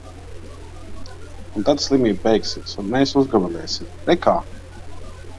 Un tad slimība beigsies. Un mēs uzgavilēsim – re, kā!